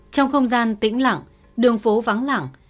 trong không gian tĩnh lặng đường phố vắng lẳng